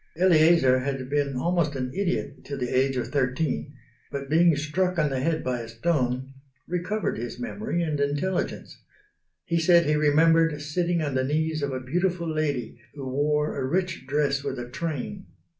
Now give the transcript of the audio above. Eleazar had been almost an idiot till the age of thirteen; but, being struck on the head by a stone, recovered his memory and intelligence. He said he remembered sitting on the knees of a beautiful lady who wore a rich dress with a train.